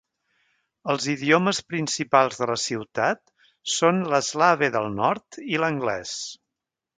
Els idiomes principals de la ciutat són l'slave del nord i l'anglès.